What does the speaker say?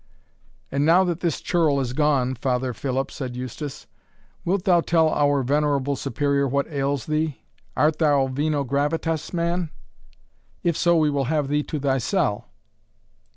"And now that this churl is gone, Father Philip," said Eustace, "wilt thou tell our venerable Superior what ails thee? art thou vino gravatus, man? if so we will have thee to thy cell."